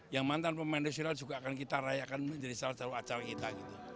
yang mantan pemain nasional juga akan kita rayakan menjadi salah satu acara kita